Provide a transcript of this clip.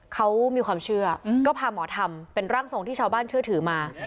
เขามีความเชื่อก็พาหมอธรรมเป็นร่างทรงที่ชาวบ้านเชื่อถือมา